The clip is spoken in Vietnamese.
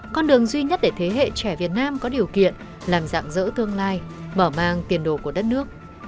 con đường duy nhất để thế hệ trẻ việt nam có điều kiện làm dạng dỡ tương lai bỏ mang tiền đồ của đất nước